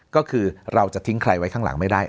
ก็คือเราจะทิ้งใครไว้ข้างหลังไม่ได้